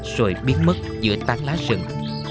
rồi biến mất giữa tan lá rừng